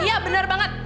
iya bener banget